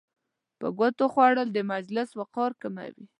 په ګوتو خوړل د مجلس وقار کموي.